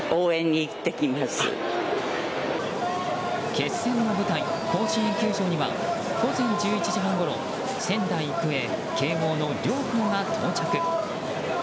決戦の舞台、甲子園球場には午前１１時半ごろ仙台育英、慶應の両校が到着。